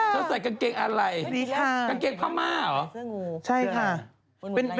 เธอใส่กางเกงอะไรของเธอ